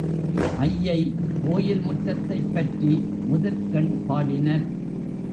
ஐயை கோயில் முற்றத்தைப்பற்றி முதற்கண் பாடினர்.